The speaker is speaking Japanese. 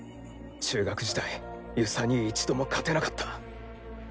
中学時代遊佐に一度も勝てなかった。